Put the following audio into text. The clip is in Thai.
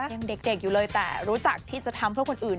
ยังเด็กอยู่เลยแต่รู้จักที่จะทำเพื่อคนอื่น